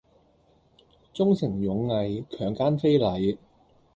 忠誠勇毅強姦非禮